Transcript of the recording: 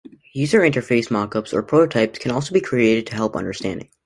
User-interface mockups or prototypes can also be created to help understanding.